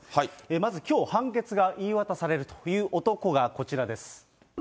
まずきょう、判決が言い渡されるという男がこちらです。